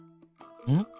うん？